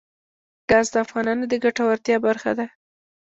ګاز د افغانانو د ګټورتیا برخه ده.